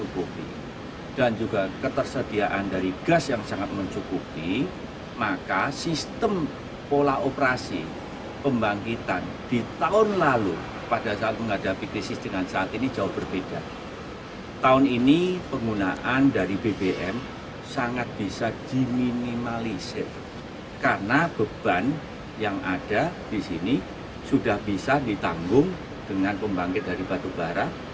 karena beban yang ada di sini sudah bisa ditanggung dengan pembangkit dari batubara